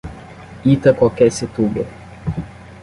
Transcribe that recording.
Itaquaquecetuba